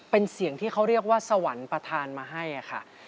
เป็นเสียงที่เขาเรียกว่าสวรรค์ประธานมาให้ค่ะ